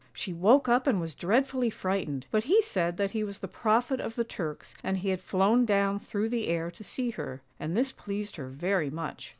She woke up and was dreadfully frightened, but he said that he was the Prophet of the Turks and he had flown down through the air to see her, and this pleased her very much.